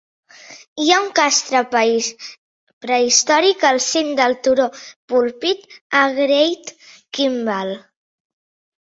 Hi ha un castre prehistòric al cim del turó Pulpit, a Great Kimble.